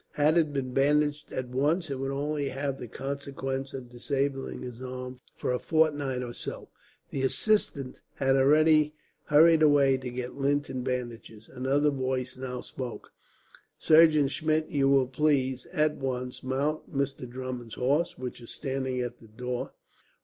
Had it been bandaged at once, it would only have had the consequence of disabling his arm for a fortnight or so." The assistant had already hurried away to get lint and bandages. Another voice now spoke. "Surgeon Schmidt, you will please at once mount Mr. Drummond's horse, which is standing at the door.